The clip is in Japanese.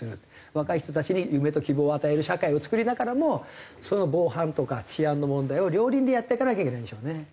若い人たちに夢と希望を与える社会を作りながらも防犯とか治安の問題を両輪でやっていかなきゃいけないんでしょうね。